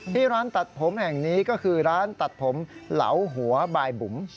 ที่ร้านตัดผมแห่งนี้ก็คือร้านตัดผมเหลาหัวบายบุ๋ม